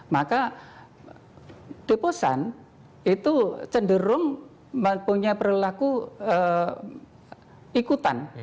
maka deposan itu cenderung punya perilaku ikutan